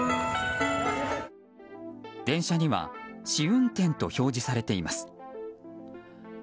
電車には試運転と表示されています。